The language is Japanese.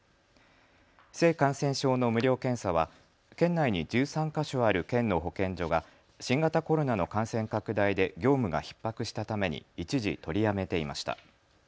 性感染症の無料検査は県内に１３か所ある県の保健所が新型コロナの感染拡大で業務がひっ迫したために一時、取りやめていました。